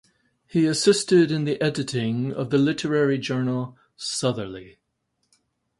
He assisted in the editing of the literary journal "Southerly".